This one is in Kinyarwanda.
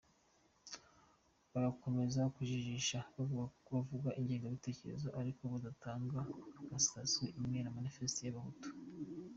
Bagakomeza kujijisha bavuga ingengabitekerezo ariko badatanga na citation nimwe ya Manifeste y’abahutu.